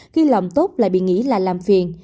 khi lòng tốt lại bị nghĩ là làm phiền